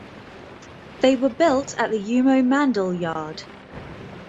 They were built at the Umoe Mandal yard.